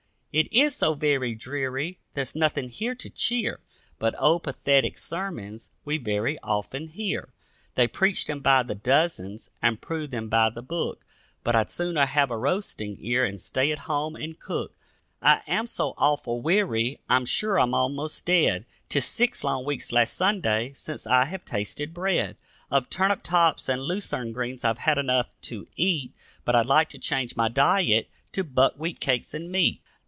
It is so very dreary, there's nothing here to cheer, But old pathetic sermons we very often hear; They preach them by the dozens and prove them by the book, But I'd sooner have a roasting ear and stay at home and cook. I am so awful weary I'm sure I'm almost dead; 'Tis six long weeks last Sunday since I have tasted bread; Of turnip tops and lucerne greens I've had enough to eat, But I'd like to change my diet to buckwheat cakes and meat.